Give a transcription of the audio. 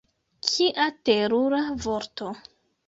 Kia terura vorto!